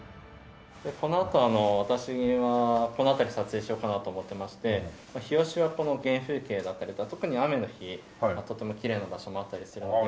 このあと私はこの辺りを撮影しようかなと思ってまして日吉はこの原風景だったり特に雨の日はとてもきれいな場所もあったりするので。